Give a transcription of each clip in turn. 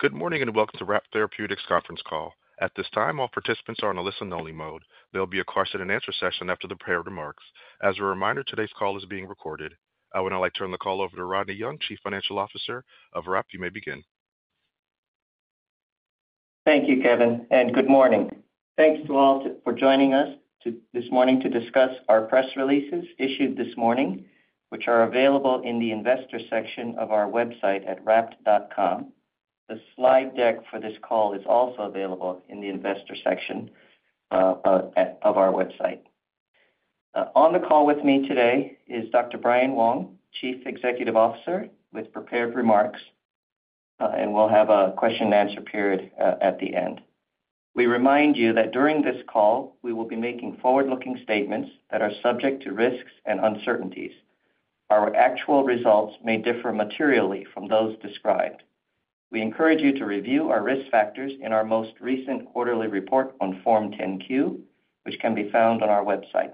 Good morning and welcome to RAPT Therapeutics' conference call. At this time, all participants are on a listen-only mode. There'll be a question-and-answer session after the prepared remarks. As a reminder, today's call is being recorded. I would now like to turn the call over to Rodney Young, Chief Financial Officer of RAPT. You may begin. Thank you, Kevin, and good morning. Thanks to all for joining us this morning to discuss our press releases issued this morning, which are available in the investor section of our website at RAPT.com. The slide deck for this call is also available in the investor section of our website. On the call with me today is Dr. Brian Wong, Chief Executive Officer with Prepared Remarks, and we'll have a question-and-answer period at the end. We remind you that during this call, we will be making forward-looking statements that are subject to risks and uncertainties. Our actual results may differ materially from those described. We encourage you to review our risk factors in our most recent quarterly report on Form 10-Q, which can be found on our website.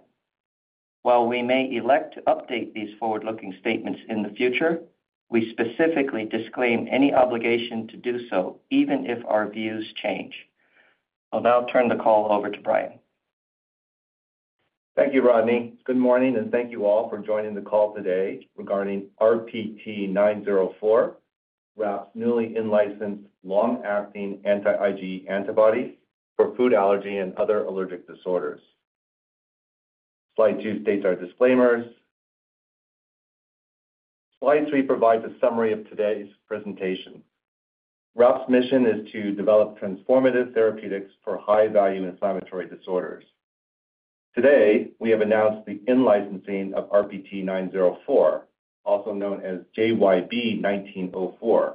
While we may elect to update these forward-looking statements in the future, we specifically disclaim any obligation to do so even if our views change. I'll now turn the call over to Brian. Thank you, Rodney. Good morning, and thank you all for joining the call today regarding RPT904, RAPT's newly in-licensed long-acting anti-IgE antibody for food allergy and other allergic disorders. Slide 2 states our disclaimers. Slide 3 provides a summary of today's presentation. RAPT's mission is to develop transformative therapeutics for high-value inflammatory disorders. Today, we have announced the in-licensing of RPT904, also known as JYB1904,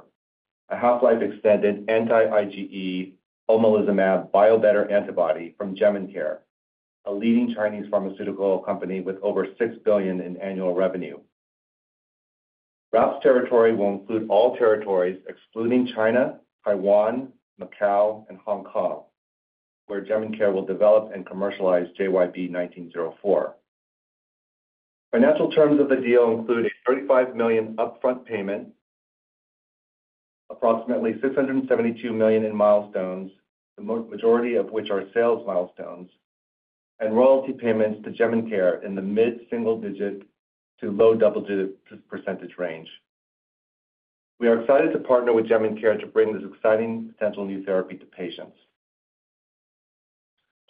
a half-life-extended anti-IgE omalizumab biobetter antibody from Jemincare, a leading Chinese pharmaceutical company with over $6 billion in annual revenue. RAPT's territory will include all territories excluding China, Taiwan, Macau, and Hong Kong, where Jemincare will develop and commercialize JYB1904. Financial terms of the deal include a $35 million upfront payment, approximately $672 million in milestones, the majority of which are sales milestones, and royalty payments to Jemincare in the mid-single digit to low double-digit % range. We are excited to partner with Jemincare to bring this exciting potential new therapy to patients.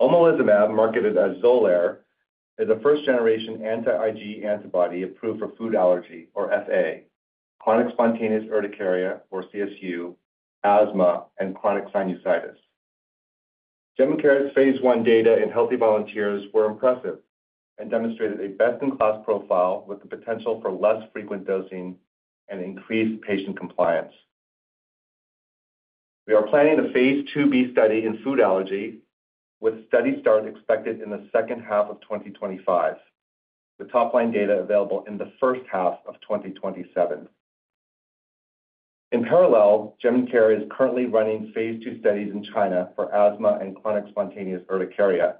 Omalizumab, marketed as Xolair, is a first-generation anti-IgE antibody approved for food allergy, or FA, Chronic Spontaneous Urticaria, or CSU, asthma, and chronic sinusitis. Jemincare's phase 1 data in healthy volunteers were impressive and demonstrated a best-in-class profile with the potential for less frequent dosing and increased patient compliance. We are planning a phase 2b study in food allergy, with study start expected in the second half of 2025, with top-line data available in the first half of 2027. In parallel, Jemincare is currently running phase 2 studies in China for asthma and Chronic Spontaneous Urticaria,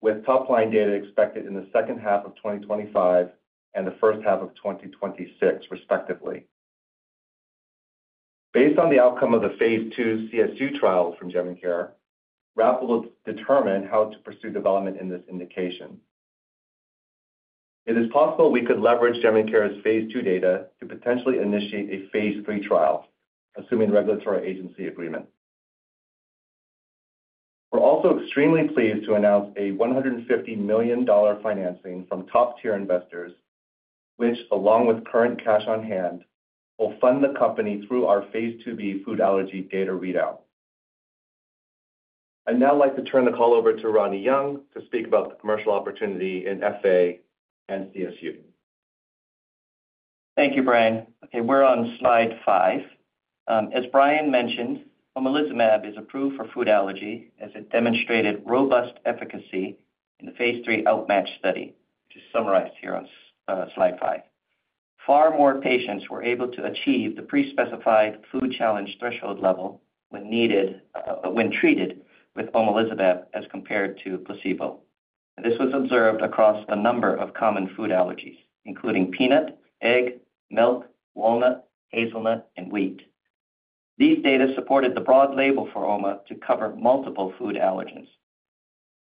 with top-line data expected in the second half of 2025 and the first half of 2026, respectively. Based on the outcome of the phase 2 CSU trials from Jemincare, RAPT will determine how to pursue development in this indication. It is possible we could leverage Jemincare's phase 2 data to potentially initiate a phase 3 trial, assuming regulatory agency agreement. We're also extremely pleased to announce a $150 million financing from top-tier investors, which, along with current cash on hand, will fund the company through our phase 2b food allergy data readout. I'd now like to turn the call over to Rodney Young to speak about the commercial opportunity in FA and CSU. Thank you, Brian. Okay, we're on slide 5. As Brian mentioned, omalizumab is approved for food allergy as it demonstrated robust efficacy in the phase 3 OUtMATCH study, which is summarized here on slide 5. Far more patients were able to achieve the pre-specified food challenge threshold level when treated with omalizumab as compared to placebo. This was observed across a number of common food allergies, including peanut, egg, milk, walnut, hazelnut, and wheat. These data supported the broad label for OMA to cover multiple food allergens.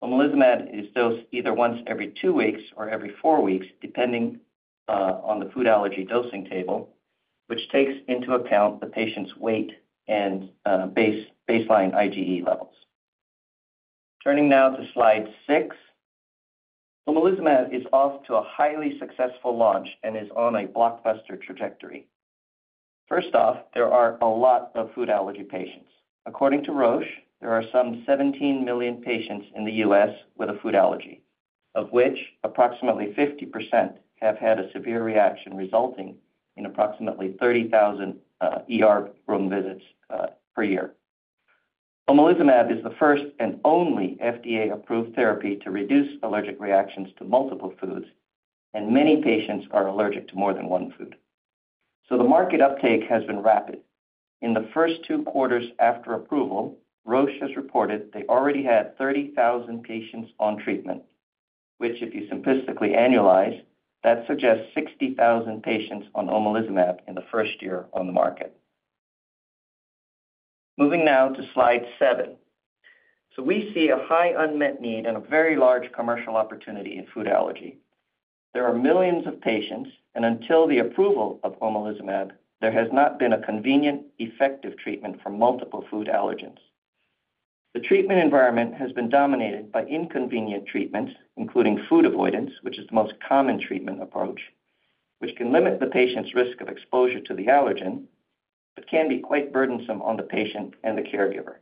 Omalizumab is dosed either once every two weeks or every four weeks, depending on the food allergy dosing table, which takes into account the patient's weight and baseline IgE levels. Turning now to slide 6, omalizumab is off to a highly successful launch and is on a blockbuster trajectory. First off, there are a lot of food allergy patients. According to Roche, there are some 17 million patients in the U.S. with a food allergy, of which approximately 50% have had a severe reaction resulting in approximately 30,000 room visits per year. Omalizumab is the first and only FDA-approved therapy to reduce allergic reactions to multiple foods, and many patients are allergic to more than one food. So the market uptake has been rapid. In the first two quarters after approval, Roche has reported they already had 30,000 patients on treatment, which, if you simplistically annualize, that suggests 60,000 patients on omalizumab in the first year on the market. Moving now to slide 7. So we see a high unmet need and a very large commercial opportunity in food allergy. There are millions of patients, and until the approval of omalizumab, there has not been a convenient, effective treatment for multiple food allergens. The treatment environment has been dominated by inconvenient treatments, including food avoidance, which is the most common treatment approach, which can limit the patient's risk of exposure to the allergen but can be quite burdensome on the patient and the caregiver.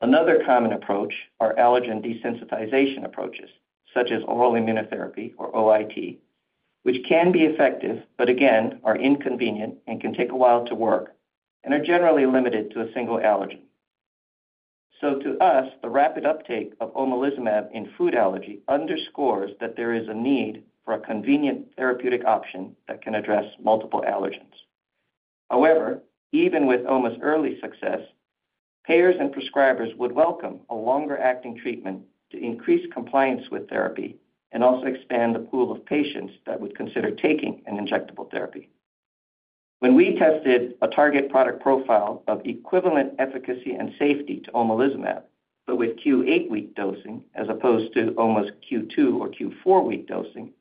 Another common approach is allergen desensitization approaches, such as oral immunotherapy, or OIT, which can be effective but, again, are inconvenient and can take a while to work and are generally limited to a single allergen. So to us, the rapid uptake of omalizumab in food allergy underscores that there is a need for a convenient therapeutic option that can address multiple allergens. However, even with OMA's early success, payers and prescribers would welcome a longer-acting treatment to increase compliance with therapy and also expand the pool of patients that would consider taking an injectable therapy. When we tested a target product profile of equivalent efficacy and safety to omalizumab, but with Q8-week dosing as opposed to OMA's Q2 or Q4-week dosing,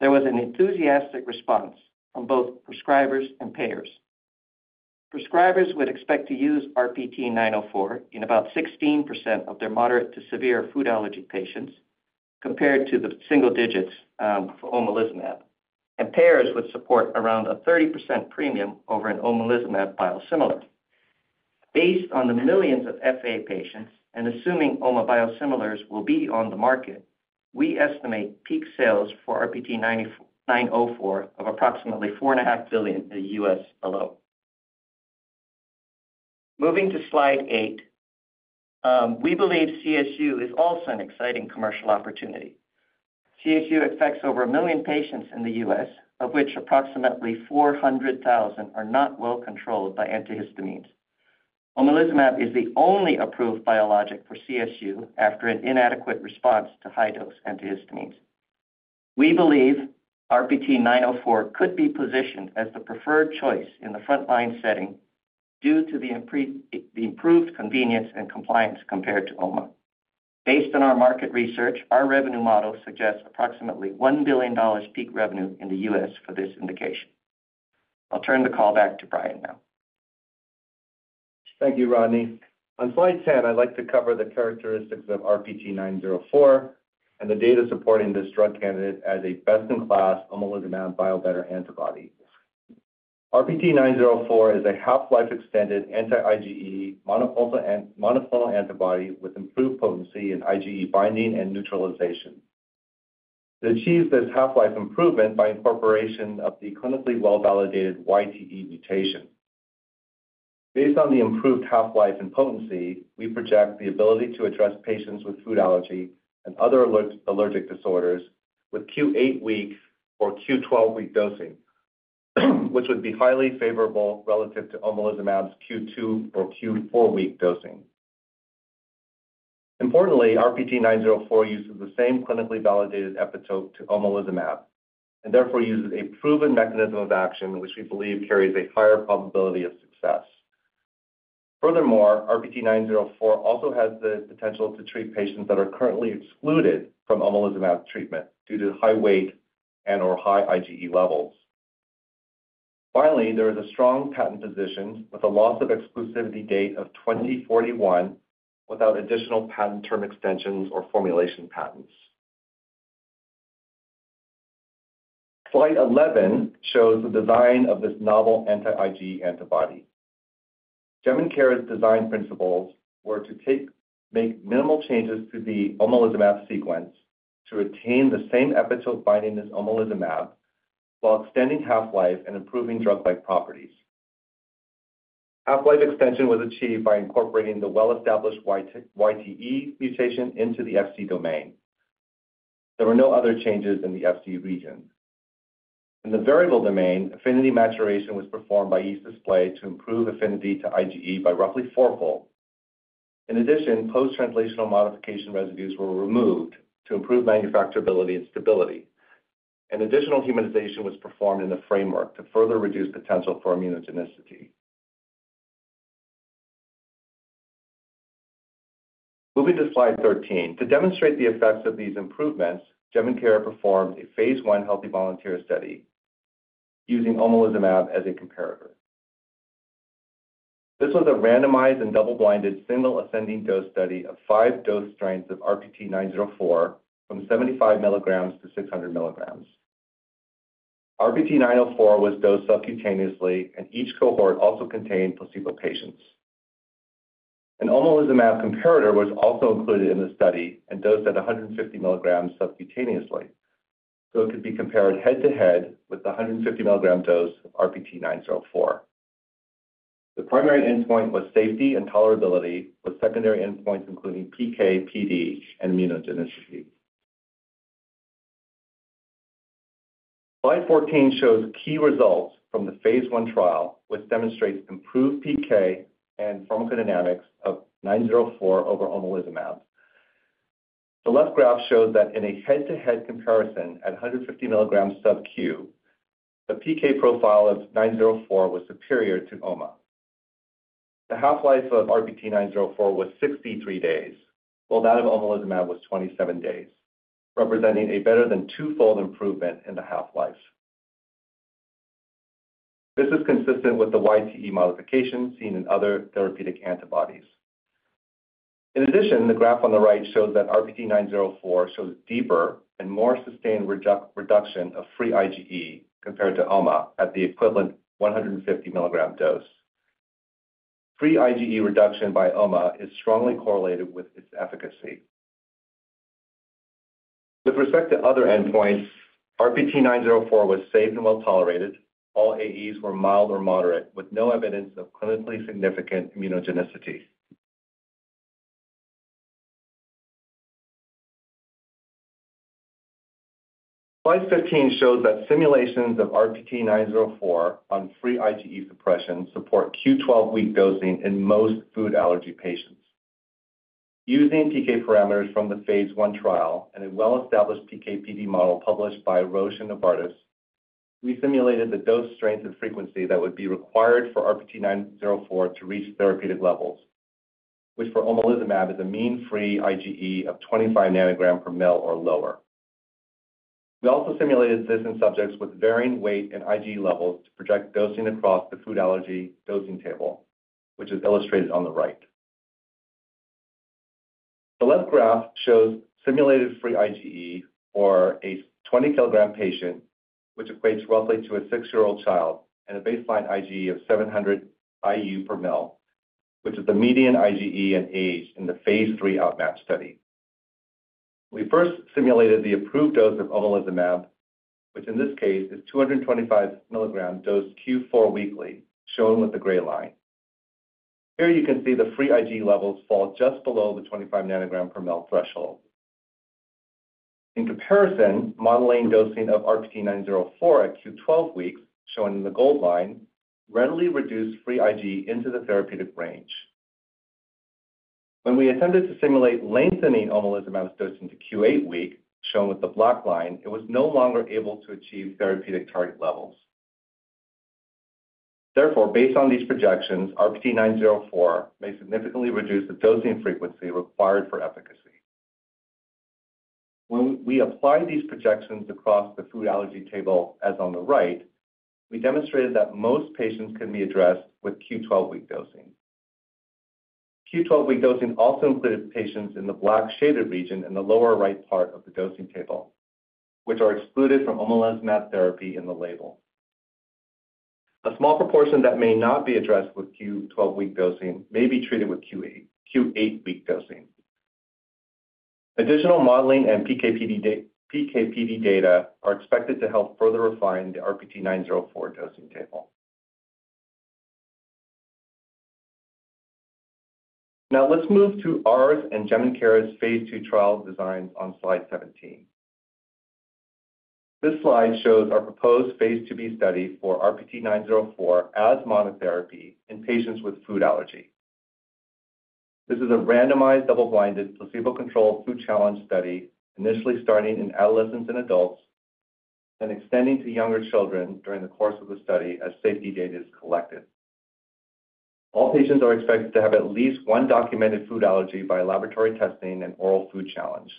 there was an enthusiastic response from both prescribers and payers. Prescribers would expect to use RPT904 in about 16% of their moderate to severe food allergy patients, compared to the single digits for omalizumab, and payers would support around a 30% premium over an omalizumab biosimilar. Based on the millions of FA patients and assuming OMA biosimilars will be on the market, we estimate peak sales for RPT904 of approximately $4.5 billion in the U.S. alone. Moving to slide 8, we believe CSU is also an exciting commercial opportunity. CSU affects over a million patients in the U.S., of which approximately 400,000 are not well controlled by antihistamines. Omalizumab is the only approved biologic for CSU after an inadequate response to high-dose antihistamines. We believe RPT904 could be positioned as the preferred choice in the front-line setting due to the improved convenience and compliance compared to OMA. Based on our market research, our revenue model suggests approximately $1 billion peak revenue in the US for this indication. I'll turn the call back to Brian now. Thank you, Rodney. On slide 10, I'd like to cover the characteristics of RPT904 and the data supporting this drug candidate as a best-in-class omalizumab biobetter antibody. RPT904 is a half-life-extended anti-IgE monoclonal antibody with improved potency in IgE binding and neutralization. It achieves this half-life improvement by incorporation of the clinically well-validated YTE mutation. Based on the improved half-life and potency, we project the ability to address patients with food allergy and other allergic disorders with Q8-week or Q12-week dosing, which would be highly favorable relative to omalizumab's Q2 or Q4-week dosing. Importantly, RPT904 uses the same clinically validated epitope as omalizumab and therefore uses a proven mechanism of action, which we believe carries a higher probability of success. Furthermore, RPT904 also has the potential to treat patients that are currently excluded from omalizumab treatment due to high weight and/or high IgE levels. Finally, there is a strong patent position with a loss of exclusivity date of 2041 without additional patent term extensions or formulation patents. Slide 11 shows the design of this novel anti-IgE antibody. Jemincare's design principles were to make minimal changes to the omalizumab sequence to retain the same epitope binding as omalizumab while extending half-life and improving drug-like properties. Half-life extension was achieved by incorporating the well-established YTE mutation into the Fc domain. There were no other changes in the Fc region. In the variable domain, affinity maturation was performed by yeast display to improve affinity to IgE by roughly fourfold. In addition, post-translational modification residues were removed to improve manufacturability and stability. An additional humanization was performed in the framework to further reduce potential for immunogenicity. Moving to slide 13, to demonstrate the effects of these improvements, Jemincare performed a phase 1 healthy volunteer study using omalizumab as a comparator. This was a randomized and double-blinded single ascending dose study of five dose strengths of RPT904 from 75 milligrams to 600 milligrams. RPT904 was dosed subcutaneously, and each cohort also contained placebo patients. An omalizumab comparator was also included in the study and dosed at 150 milligrams subcutaneously, so it could be compared head-to-head with the 150 milligram dose of RPT904. The primary endpoint was safety and tolerability, with secondary endpoints including PK, PD, and immunogenicity. Slide 14 shows key results from the phase 1 trial, which demonstrates improved PK and pharmacodynamics of 904 over omalizumab. The left graph shows that in a head-to-head comparison at 150 milligrams sub Q, the PK profile of 904 was superior to OMA. The half-life of RPT904 was 63 days, while that of omalizumab was 27 days, representing a better than twofold improvement in the half-life. This is consistent with the YTE modification seen in other therapeutic antibodies. In addition, the graph on the right shows that RPT904 shows deeper and more sustained reduction of free IgE compared to OMA at the equivalent 150 milligram dose. Free IgE reduction by OMA is strongly correlated with its efficacy. With respect to other endpoints, RPT904 was safe and well tolerated. All AEs were mild or moderate, with no evidence of clinically significant immunogenicity. Slide 15 shows that simulations of RPT904 on free IgE suppression support Q12-week dosing in most food allergy patients. Using PK parameters from the phase 1 trial and a well-established PK/PD model published by Roche and Novartis, we simulated the dose strength and frequency that would be required for RPT904 to reach therapeutic levels, which for omalizumab is a mean free IgE of 25 nanograms per mL or lower. We also simulated this in subjects with varying weight and IgE levels to project dosing across the food allergy dosing table, which is illustrated on the right. The left graph shows simulated free IgE for a 20-kg patient, which equates roughly to a 6-year-old child, and a baseline IgE of 700 IU per mL, which is the median IgE and age in the phase 3 OUtMATCH study. We first simulated the approved dose of omalizumab, which in this case is 225 mg dosed Q4 weekly, shown with the gray line. Here you can see the free IgE levels fall just below the 25 nanograms per ml threshold. In comparison, modeling dosing of RPT904 at Q12 weeks, shown in the gold line, readily reduced free IgE into the therapeutic range. When we attempted to simulate lengthening omalizumab's dosing to Q8 weeks, shown with the black line, it was no longer able to achieve therapeutic target levels. Therefore, based on these projections, RPT904 may significantly reduce the dosing frequency required for efficacy. When we applied these projections across the food allergy table, as on the right, we demonstrated that most patients can be addressed with Q12-week dosing. Q12-week dosing also included patients in the black shaded region in the lower right part of the dosing table, which are excluded from omalizumab therapy in the label. A small proportion that may not be addressed with Q12-week dosing may be treated with Q8-week dosing. Additional modeling and PK/PD data are expected to help further refine the RPT904 dosing table. Now let's move to ours and Jemincare's phase 2 trial designs on slide 17. This slide shows our proposed phase 2b study for RPT904 as monotherapy in patients with food allergy. This is a randomized double-blinded placebo-controlled food challenge study, initially starting in adolescents and adults and extending to younger children during the course of the study as safety data is collected. All patients are expected to have at least one documented food allergy by laboratory testing and oral food challenge.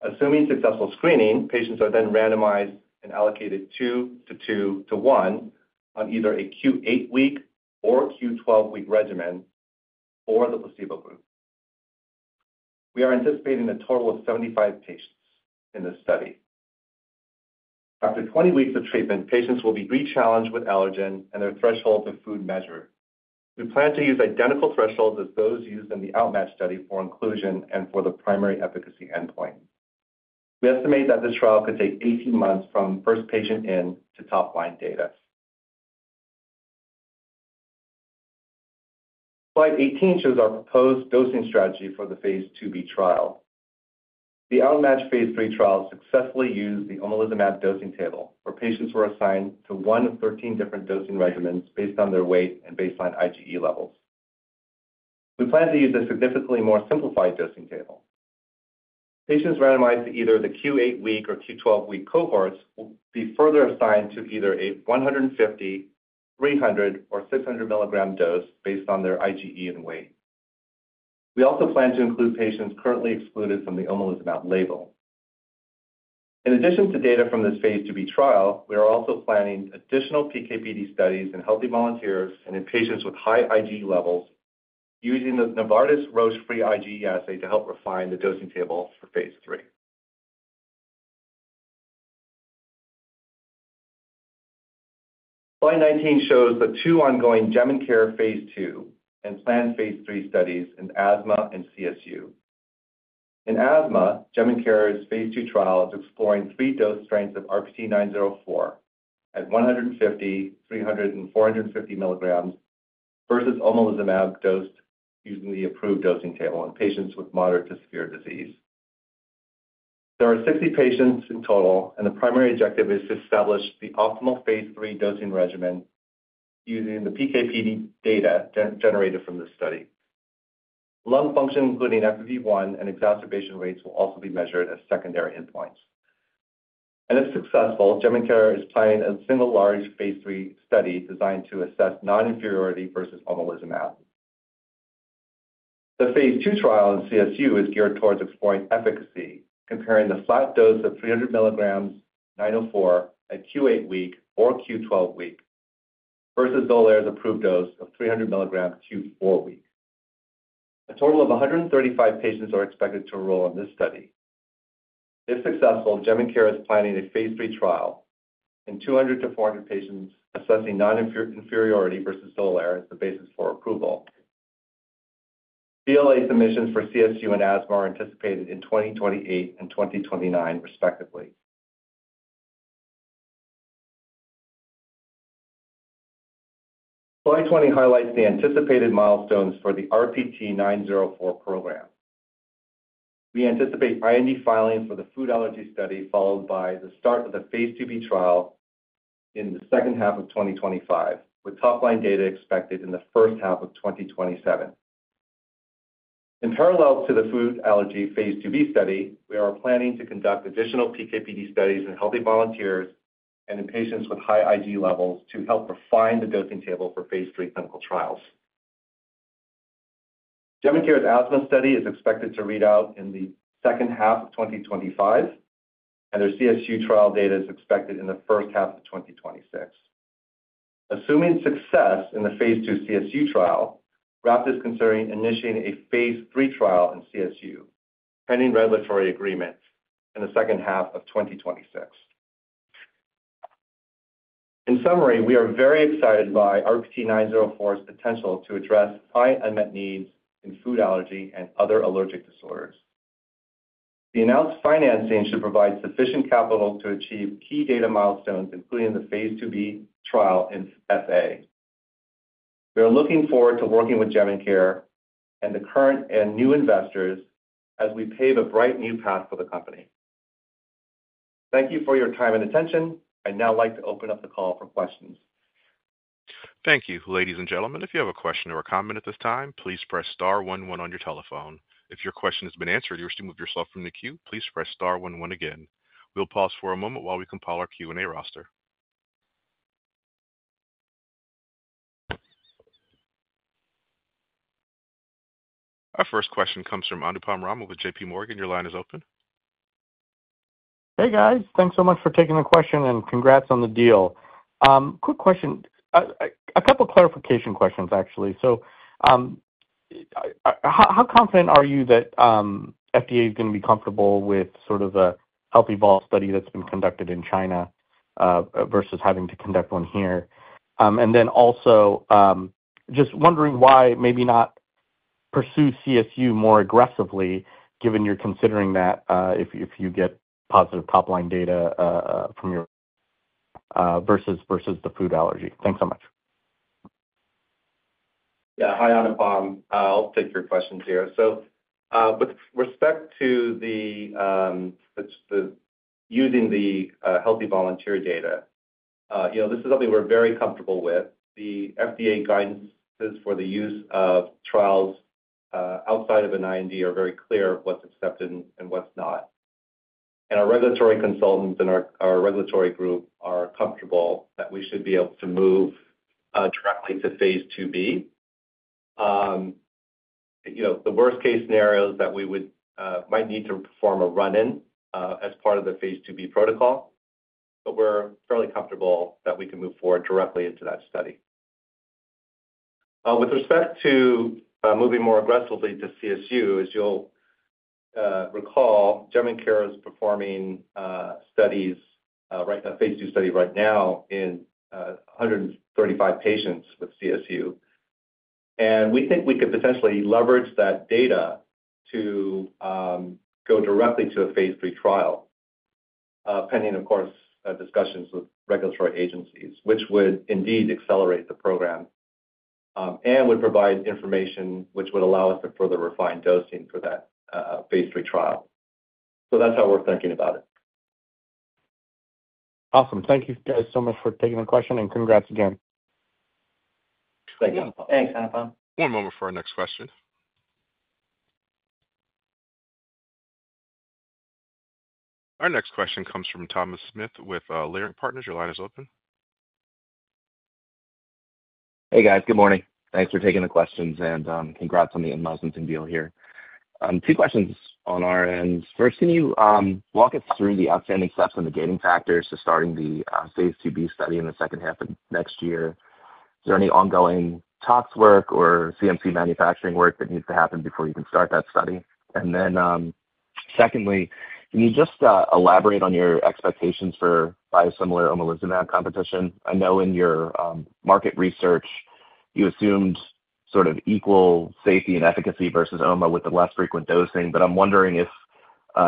Assuming successful screening, patients are then randomized and allocated two to two to one on either a Q8-week or Q12-week regimen for the placebo group. We are anticipating a total of 75 patients in this study. After 20 weeks of treatment, patients will be re-challenged with allergen and their thresholds of food measure. We plan to use identical thresholds as those used in the OUtMATCH study for inclusion and for the primary efficacy endpoint. We estimate that this trial could take 18 months from first patient in to top line data. Slide 18 shows our proposed dosing strategy for the phase 2b trial. The OUtMATCH phase 3 trial successfully used the Omalizumab dosing table for patients who were assigned to one of 13 different dosing regimens based on their weight and baseline IgE levels. We plan to use a significantly more simplified dosing table. Patients randomized to either the Q8-week or Q12-week cohorts will be further assigned to either a 150, 300, or 600 milligram dose based on their IgE and weight. We also plan to include patients currently excluded from the Omalizumab label. In addition to data from this phase 2b trial, we are also planning additional PK/PD studies in healthy volunteers and in patients with high IgE levels using the Novartis/Roche free IgE assay to help refine the dosing table for phase 3. Slide 19 shows the two ongoing Jemincare phase 2 and planned phase 3 studies in asthma and CSU. In asthma, Jemincare's phase 2 trial is exploring three dose strengths of RPT904 at 150, 300, and 450 milligrams versus omalizumab dosed using the approved dosing table in patients with moderate to severe disease. There are 60 patients in total, and the primary objective is to establish the optimal phase 3 dosing regimen using the PK/PD data generated from this study. Lung function, including FEV1 and exacerbation rates, will also be measured as secondary endpoints. If successful, Jemincare is planning a single large phase three study designed to assess non-inferiority versus omalizumab. The phase two trial in CSU is geared towards exploring efficacy, comparing the flat dose of 300 milligrams 904 at Q8-week or Q12-week versus Xolair's approved dose of 300 milligrams Q4-week. A total of 135 patients are expected to enroll in this study. If successful, Jemincare is planning a phase three trial in 200-400 patients assessing non-inferiority versus Xolair as the basis for approval. BLA submissions for CSU and asthma are anticipated in 2028 and 2029, respectively. Slide 20 highlights the anticipated milestones for the RPT904 program. We anticipate IND filing for the food allergy study followed by the start of the phase 2b trial in the second half of 2025, with top-line data expected in the first half of 2027. In parallel to the food allergy phase 2b study, we are planning to conduct additional PK/PD studies in healthy volunteers and in patients with high IgE levels to help refine the dosing table for phase 3 clinical trials. Jemincare's asthma study is expected to read out in the second half of 2025, and their CSU trial data is expected in the first half of 2026. Assuming success in the phase 2 CSU trial, RAPT is considering initiating a phase 3 trial in CSU pending regulatory agreement in the second half of 2026. In summary, we are very excited by RPT904's potential to address high unmet needs in food allergy and other allergic disorders. The announced financing should provide sufficient capital to achieve key data milestones, including the phase 2b trial in FA. We are looking forward to working with Jemincare and the current and new investors as we pave a bright new path for the company. Thank you for your time and attention. I'd now like to open up the call for questions. Thank you, ladies and gentlemen. If you have a question or a comment at this time, please press star 11 on your telephone. If your question has been answered or you wish to move yourself from the queue, please press star 11 again. We'll pause for a moment while we compile our Q&A roster. Our first question comes from Anupam Rama with J.P. Morgan. Your line is open. Hey, guys. Thanks so much for taking the question and congrats on the deal. Quick question. A couple of clarification questions, actually. So how confident are you that FDA is going to be comfortable with sort of a healthy volunteer study that's been conducted in China versus having to conduct one here? And then also just wondering why maybe not pursue CSU more aggressively, given you're considering that if you get positive top-line data from your versus the food allergy. Thanks so much. Yeah. Hi, Anupam. I'll take your questions here. So with respect to using the healthy volunteer data, this is something we're very comfortable with. The FDA guidance is for the use of trials outside of an IND are very clear of what's accepted and what's not. And our regulatory consultants and our regulatory group are comfortable that we should be able to move directly to phase 2b. The worst-case scenario is that we might need to perform a run-in as part of the phase 2b protocol, but we're fairly comfortable that we can move forward directly into that study. With respect to moving more aggressively to CSU, as you'll recall, Jemincare is performing a phase 2 study right now in 135 patients with CSU. And we think we could potentially leverage that data to go directly to a phase 3 trial, pending, of course, discussions with regulatory agencies, which would indeed accelerate the program and would provide information which would allow us to further refine dosing for that phase 3 trial. So that's how we're thinking about it. Awesome. Thank you, guys, so much for taking the question and congrats again. Thank you. Thanks, Anupam. One moment for our next question. Our next question comes from Thomas Smith with Leerink Partners. Your line is open. Hey, guys. Good morning. Thanks for taking the questions and congrats on the in-licensing deal here. Two questions on our end. First, can you walk us through the outstanding steps and the gating factors to starting the phase 2b study in the second half of next year? Is there any ongoing TOX work or CMC manufacturing work that needs to happen before you can start that study? And then secondly, can you just elaborate on your expectations for biosimilar omalizumab competition? I know in your market research, you assumed sort of equal safety and efficacy versus OMA with the less frequent dosing, but I'm wondering if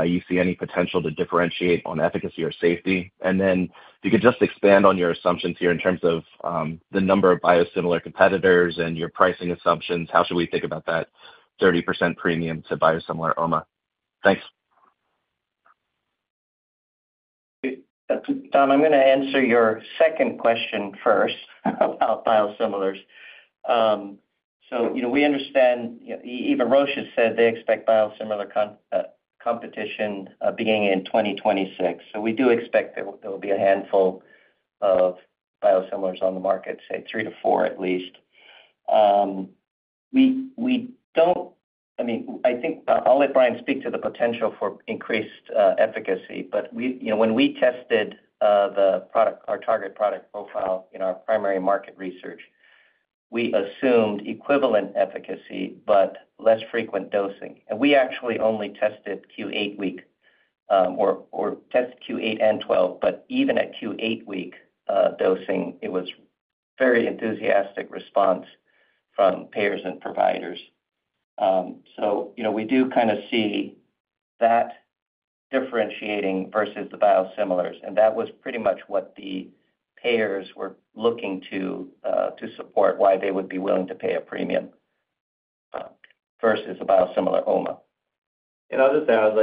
you see any potential to differentiate on efficacy or safety. And then if you could just expand on your assumptions here in terms of the number of biosimilar competitors and your pricing assumptions, how should we think about that 30% premium to biosimilar OMA? Thanks. Tom, I'm going to answer your second question first about biosimilars. So we understand, even Roche has said they expect biosimilar competition beginning in 2026. So we do expect there will be a handful of biosimilars on the market, say three to four at least. I mean, I think I'll let Brian speak to the potential for increased efficacy, but when we tested our target product profile in our primary market research, we assumed equivalent efficacy but less frequent dosing. And we actually only tested Q8-week or tested Q8 and 12, but even at Q8-week dosing, it was a very enthusiastic response from payers and providers. So we do kind of see that differentiating versus the biosimilars. And that was pretty much what the payers were looking to support, why they would be willing to pay a premium versus the biosimilar OMA. And I'll just add,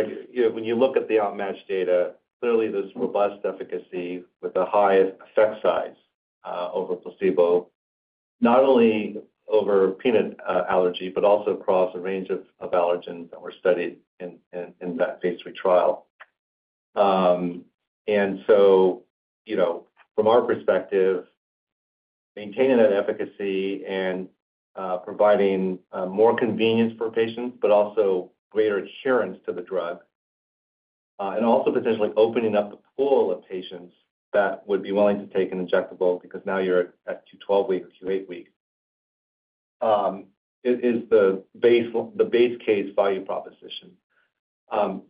when you look at the OUtMATCH data, clearly there's robust efficacy with a high effect size over placebo, not only over peanut allergy, but also across a range of allergens that were studied in that phase 3 trial. And so from our perspective, maintaining that efficacy and providing more convenience for patients, but also greater adherence to the drug, and also potentially opening up the pool of patients that would be willing to take an injectable because now you're at Q12-week or Q8-week, is the base case value proposition.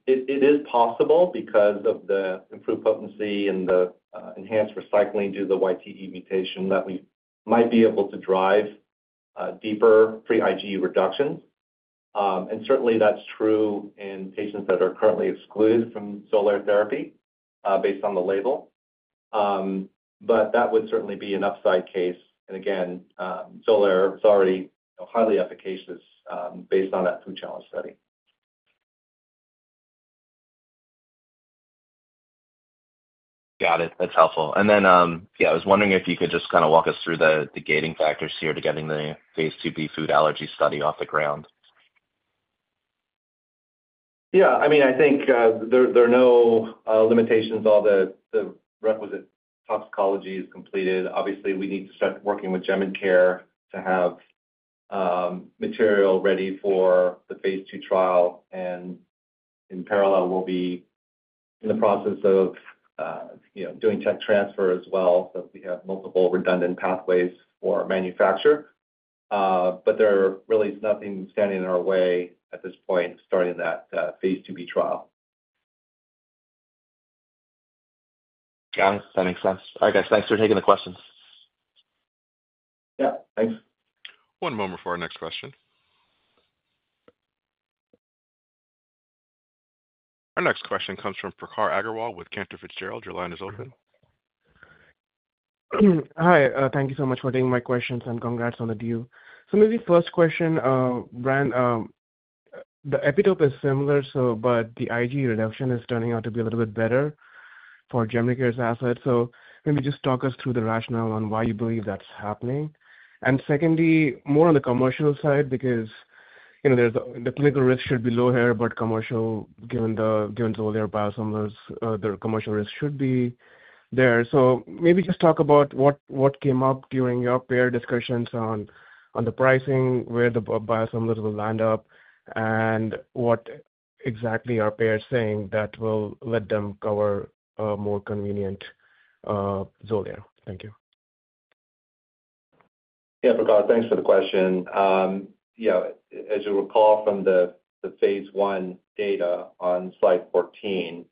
It is possible because of the improved potency and the enhanced recycling due to the YTE mutation that we might be able to drive deeper free IgE reductions. And certainly, that's true in patients that are currently excluded from Xolair therapy based on the label. But that would certainly be an upside case. Again, Xolair is already highly efficacious based on that food challenge study. Got it. That's helpful. And then, yeah, I was wondering if you could just kind of walk us through the gating factors here to getting the phase 2b food allergy study off the ground? Yeah. I mean, I think there are no limitations once the requisite toxicology is completed. Obviously, we need to start working with Jemincare to have material ready for the phase 2 trial. And in parallel, we'll be in the process of doing tech transfer as well so that we have multiple redundant pathways for manufacture. But there really is nothing standing in our way at this point starting that phase 2b trial. Got it. That makes sense. All right, guys. Thanks for taking the questions. Yeah. Thanks. One moment for our next question. Our next question comes from Prakhar Agrawal with Cantor Fitzgerald. Your line is open. Hi. Thank you so much for taking my questions and congrats on the deal. So maybe first question, Brian, the epitope is similar, but the IgE reduction is turning out to be a little bit better for Jemincare's asset. So maybe just talk us through the rationale on why you believe that's happening. And secondly, more on the commercial side because the clinical risk should be low here, but commercial, given Xolair biosimilars, the commercial risk should be there. So maybe just talk about what came up during your peer discussions on the pricing, where the biosimilars will land up, and what exactly are payers saying that will let them cover a more convenient Xolair. Thank you. Yeah, Prakhar, thanks for the question. As you recall from the phase 1 data on slide 14,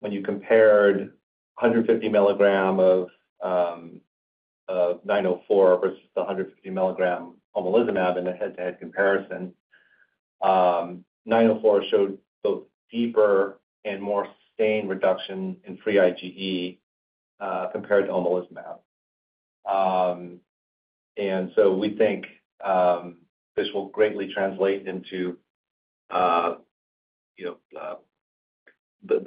when you compared 150 milligram of 904 versus the 150 milligram omalizumab in a head-to-head comparison, 904 showed both deeper and more sustained reduction in free IgE compared to omalizumab. And so we think this will greatly translate into the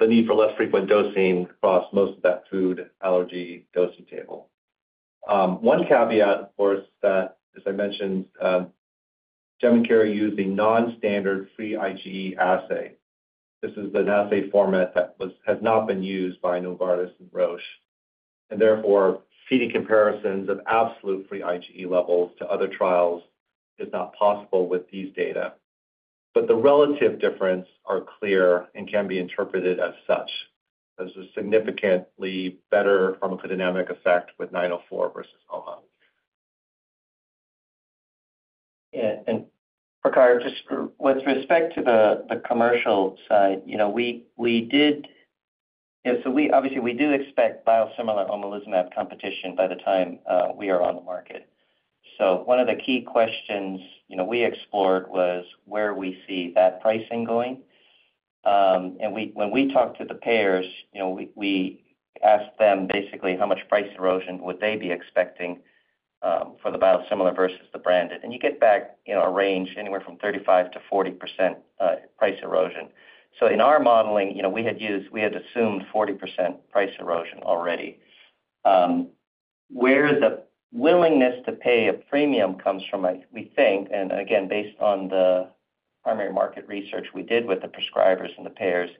need for less frequent dosing across most of that food allergy dosing table. One caveat, of course, that, as I mentioned, Jemincare is using non-standard free IgE assay. This is an assay format that has not been used by Novartis and Roche. And therefore, making comparisons of absolute free IgE levels to other trials is not possible with these data. But the relative differences are clear and can be interpreted as such. There's a significantly better pharmacodynamic effect with 904 versus OMA. Yeah, and Prakhar, just with respect to the commercial side, we did obviously, we do expect biosimilar omalizumab competition by the time we are on the market. So one of the key questions we explored was where we see that pricing going. And when we talked to the payers, we asked them basically how much price erosion would they be expecting for the biosimilar versus the branded. And you get back a range anywhere from 35%-40% price erosion. So in our modeling, we had assumed 40% price erosion already. Where the willingness to pay a premium comes from, we think, and again, based on the primary market research we did with the prescribers and the payers,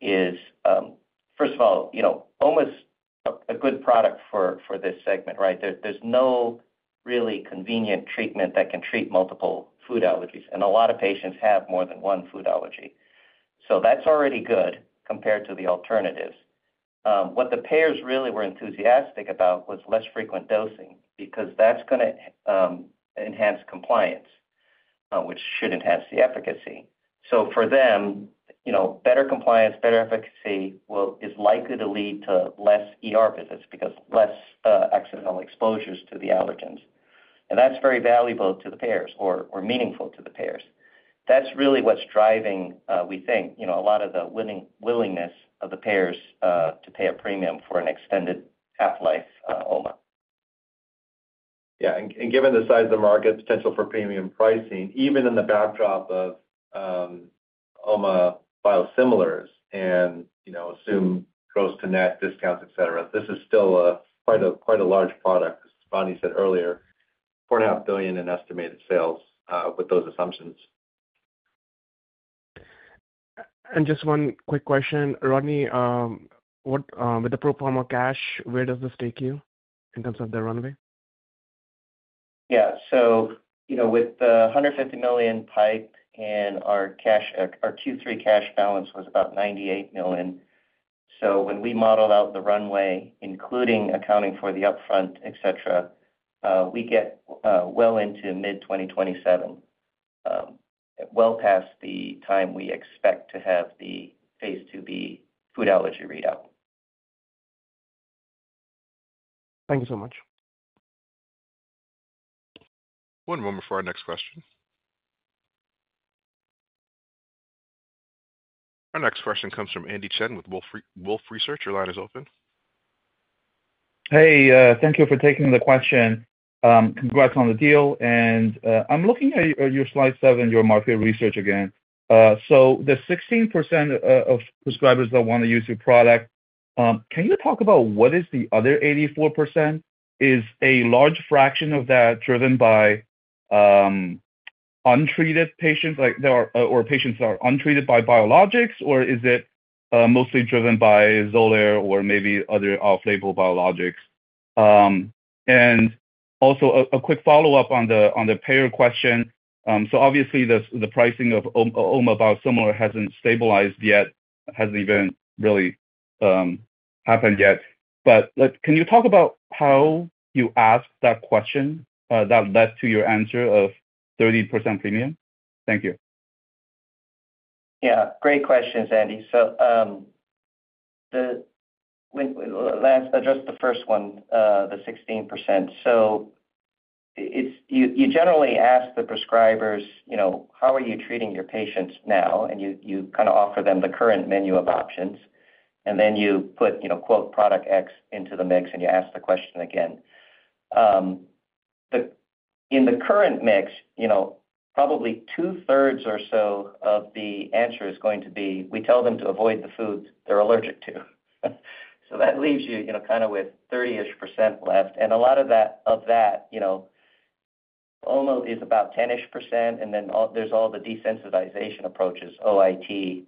is, first of all, OMA is a good product for this segment, right? There's no really convenient treatment that can treat multiple food allergies. A lot of patients have more than one food allergy. That's already good compared to the alternatives. What the payers really were enthusiastic about was less frequent dosing because that's going to enhance compliance, which should enhance the efficacy. For them, better compliance, better efficacy is likely to lead to less visits because of less accidental exposures to the allergens. That's very valuable to the payers or meaningful to the payers. That's really what's driving, we think, a lot of the willingness of the payers to pay a premium for an extended half-life OMA. Yeah. And given the size of the market, potential for premium pricing, even in the backdrop of OMA biosimilars and assumed gross-to-net discounts, etc., this is still quite a large product. As Rodney said earlier, $4.5 billion in estimated sales with those assumptions. Just one quick question, Rodney, with the pro forma cash, where does this take you in terms of the runway? Yeah. So with the $150 million PIPE and our Q3 cash balance was about $98 million. So when we modeled out the runway, including accounting for the upfront, etc., we get well into mid-2027, well past the time we expect to have the phase 2b food allergy readout. Thank you so much. One moment for our next question. Our next question comes from Andy Chen with Wolfe Research. Your line is open. Hey, thank you for taking the question. Congrats on the deal. And I'm looking at your slide seven, your market research again. So the 16% of prescribers that want to use your product, can you talk about what is the other 84%? Is a large fraction of that driven by untreated patients or patients that are untreated by biologics, or is it mostly driven by Xolair or maybe other off-label biologics? And also a quick follow-up on the payer question. So obviously, the pricing of OMA biosimilar hasn't stabilized yet. It hasn't even really happened yet. But can you talk about how you asked that question that led to your answer of 30% premium? Thank you. Yeah. Great questions, Andy. So address the first one, the 16%. So you generally ask the prescribers, "How are you treating your patients now?" And you kind of offer them the current menu of options. And then you put, quote, "Product X into the mix," and you ask the question again. In the current mix, probably two-thirds or so of the answer is going to be, "We tell them to avoid the foods they're allergic to." So that leaves you kind of with 30-ish% left. And a lot of that, OMA is about 10-ish%. And then there's all the desensitization approaches, OIT,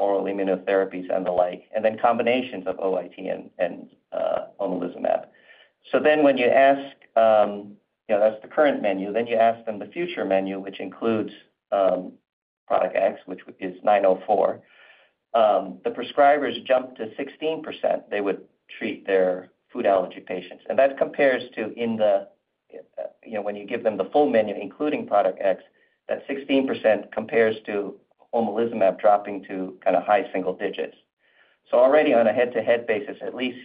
oral immunotherapies, and the like. And then combinations of OIT and omalizumab. So then when you ask that's the current menu. Then you ask them the future menu, which includes Product X, which is 904. The prescribers jump to 16%, they would treat their food allergy patients. And that compares to when you give them the full menu, including Xolair, that 16% compares to omalizumab dropping to kind of high single digits. So already on a head-to-head basis, at least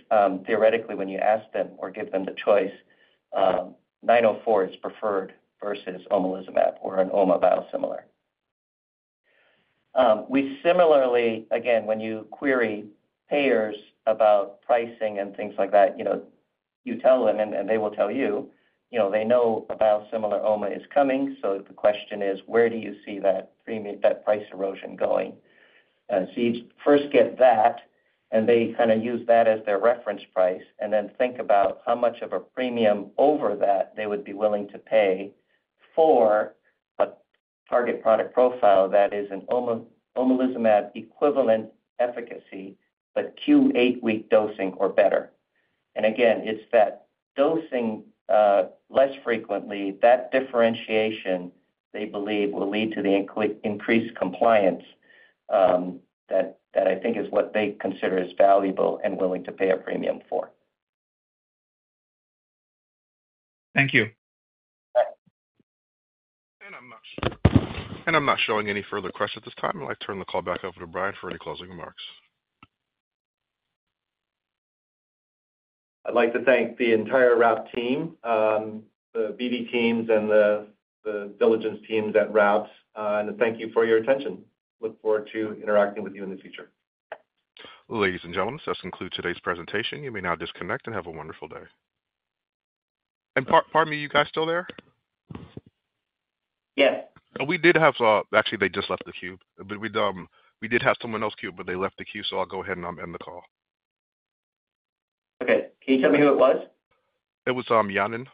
theoretically, when you ask them or give them the choice, 904 is preferred versus omalizumab or an OMA biosimilar. Similarly, again, when you query payers about pricing and things like that, you tell them, and they will tell you, "They know a biosimilar OMA is coming." So the question is, "Where do you see that price erosion going?" So you first get that, and they kind of use that as their reference price, and then think about how much of a premium over that they would be willing to pay for a target product profile that is an omalizumab equivalent efficacy, but Q8-week dosing or better. And again, it's that dosing less frequently, that differentiation, they believe, will lead to the increased compliance that I think is what they consider as valuable and willing to pay a premium for. Thank you. I'm not showing any further questions at this time. I'd like to turn the call back over to Brian for any closing remarks. I'd like to thank the entire RAPT team, the BD teams, and the diligence teams at RAPT. And thank you for your attention. Look forward to interacting with you in the future. Ladies and gentlemen, so this concludes today's presentation. You may now disconnect and have a wonderful day. And pardon me, are you guys still there? Yes. We did have. Actually, they just left the queue. We did have someone else queue, but they left the queue, so I'll go ahead and end the call. Okay. Can you tell me who it was? It was Yanan.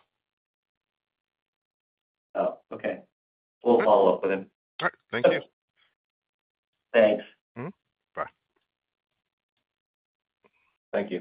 Oh, okay. We'll follow up with him. All right. Thank you. Thanks. Bye. Thank you.